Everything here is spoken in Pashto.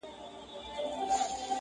سر څه په لوټه سپېره څه په شدياره.